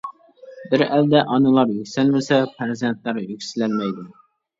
بىر ئەلدە ئانىلار يۈكسەلمىسە، پەرزەنتلەر يۈكسىلەلمەيدۇ.